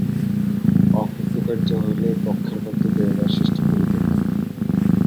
অকৃতকার্য হইলে বক্ষের মধ্যে বেদনার সৃষ্টি করিতে থাকে।